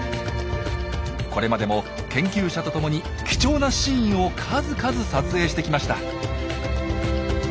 これまでも研究者とともに貴重なシーンを数々撮影してきました。